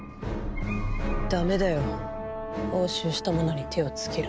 ダメだよ押収したものに手を付けるなんて。